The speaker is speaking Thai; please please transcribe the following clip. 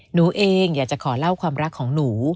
หนูเองอยากจะขอเล่าความรักของหนู